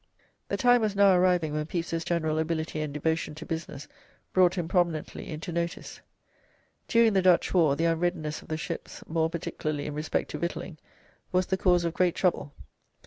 The time was now arriving when Pepys's general ability and devotion to business brought him prominently into notice. During the Dutch war the unreadiness of the ships, more particularly in respect to victualling, was the cause of great trouble.